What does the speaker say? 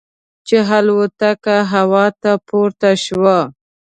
چې الوتکه هوا ته پورته شوه.